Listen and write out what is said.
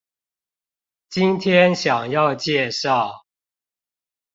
今天想要介紹